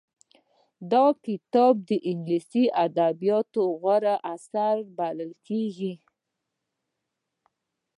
دا کتاب د انګليسي ادبياتو غوره اثر بلل کېږي.